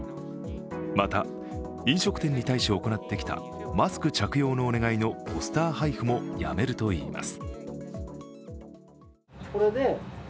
また、飲食店に対し行ってきたマスク着用のお願いのポスター配布もやめるといいます。